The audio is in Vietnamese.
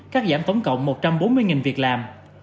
cắt giảm tổng cộng một trăm bốn mươi việc làm